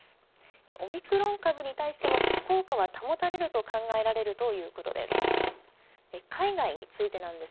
オミクロン株に対しても、効果は保たれると考えられるということです。